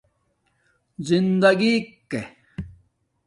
زندگݵ ک